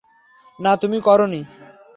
না, তুমি করনি।